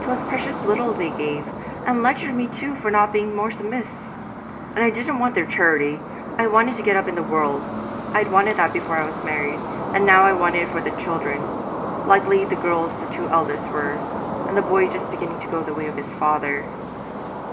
'Twas precious little they gave, and lectured me too for not being more submiss'! And I didn't want their charity; I wanted to get up in the world. I'd wanted that before I was married, and now I wanted it for the children. Likely girls the two eldest were, and the boy just beginning to go the way of his father.'